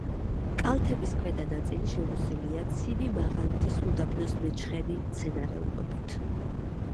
კალთების ქვედა ნაწილი შემოსილია ცივი მაღალმთის უდაბნოს მეჩხერი მცენარეულობით.